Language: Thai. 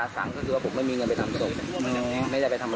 เสตไม่ได้ทำร้ายเบอะ